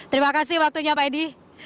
terima kasih waktunya pak edi